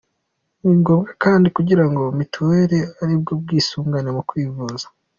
Ni ngombwa kandi kugira mituweli, aribwo bwisungane mu kwivuza.